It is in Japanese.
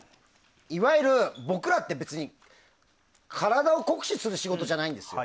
いわゆる僕らは体を酷使する仕事じゃないんです。